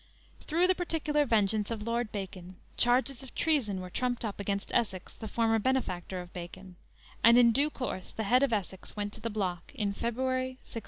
Through the particular vengeance of Lord Bacon, charges of treason were trumped up against Essex, the former benefactor of Bacon, and in due course the head of Essex went to the block in February, 1601.